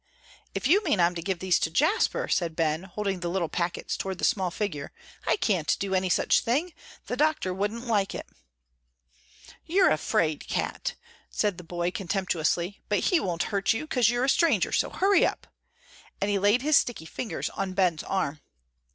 "If you mean I'm to give these to Jasper," said Ben, holding the little packets toward the small figure, "I can't do any such thing; the doctor wouldn't like it." "You are a 'fraid cat," said the boy, contemptuously; "but he won't hurt you, 'cause you're a stranger, so hurry up!" and he laid his sticky fingers on Ben's arm.